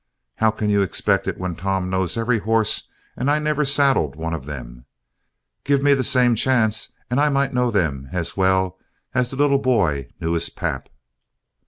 How can you expect it when Tom knows every horse and I never saddled one of them. Give me the same chance, and I might know them as well as the little boy knew his pap."